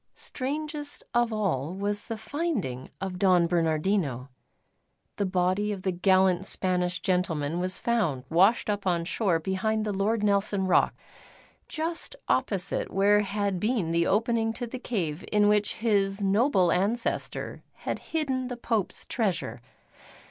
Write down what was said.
Strangest of all was the finding of Don Bernardino. The body of the gallant Spanish gentleman was found washed up on shore behind the Lord Nelson rock, just opposite where had been the opening to the cave in which his noble ancestor had hidden the Pope's treasure.